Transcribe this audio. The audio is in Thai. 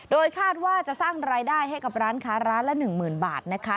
โดยคาดว่าจะสร้างรายได้ให้กับร้านค้าร้านละ๑๐๐๐บาทนะคะ